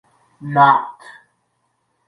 Nat.